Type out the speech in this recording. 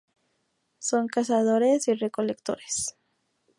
Son cazadores y recolectores.